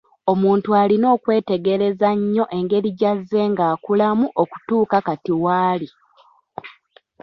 Omuntu alina okwetegereza nnyo engeri gy'azze ng'akulamu okutuuka kati waali.